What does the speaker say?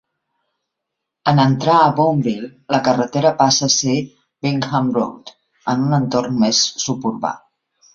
En entrar a Boonville, la carretera passa a ser Bingham Road, en un entorn més suburbà.